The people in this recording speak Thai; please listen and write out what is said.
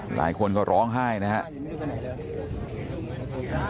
หลายคนก็ร้องไห้นะครับ